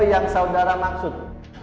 yang saudara maksud